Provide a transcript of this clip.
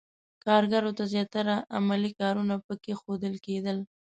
کارګرو ته زیاتره عملي کارونه پکې ښودل کېدل.